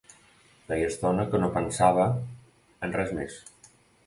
Feia estona que no pensava en res més.